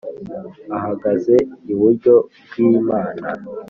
Ahagaze iburyo bw imana